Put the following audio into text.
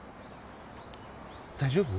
大丈夫？